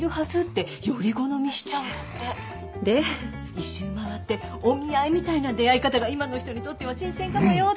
一周回ってお見合いみたいな出会い方が今の人にとっては新鮮かもよって話で。